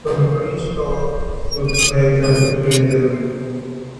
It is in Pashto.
• په لومړۍ شپه وو خپل خدای ته ژړېدلی,